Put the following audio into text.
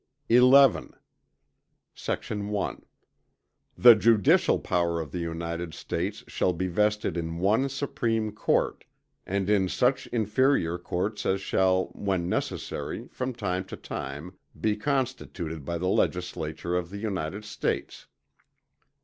XI Sect. 1. The Judicial Power of the United States shall be vested in one Supreme Court, and in such Inferior Courts as shall, when necessary, from time to time, be constituted by the Legislature of the United States.